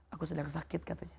aku sedang sakit katanya